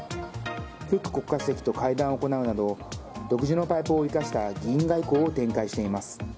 フック国家主席と会談を行うなど独自のパイプを生かした議員外交を展開しています。